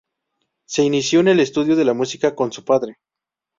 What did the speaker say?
Se inició en el estudio de la música con su padre.